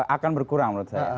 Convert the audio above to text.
akan berkurang menurut saya